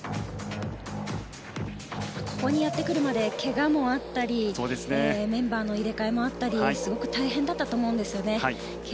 ここにやってくるまで怪我もあったりメンバーの入れ替えもあったりすごく大変だったと思うんですよね。